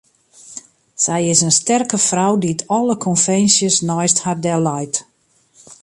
Sy is in sterke frou dy't alle konvinsjes neist har delleit.